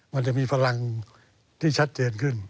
มันจะมีพลังที่ชัดเจนขึ้น